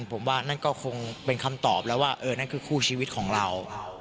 ผมว่านั่นก็คงเป็นคำตอบแล้วว่าเออนั่นคือคู่ชีวิตของเรา